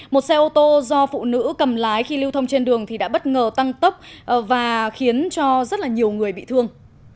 một xe ô tô do phụ nữ cầm lái khi lưu thông trên đường thì đã bất ngờ tăng tốc và khiến cho rất là nhiều người bị thương